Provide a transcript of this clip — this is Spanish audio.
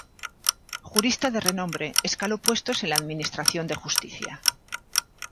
Jurista de renombre, escaló puestos en la Administración de Justicia.